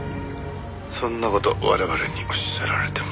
「そんな事我々におっしゃられても」